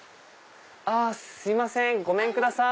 すいませんごめんください。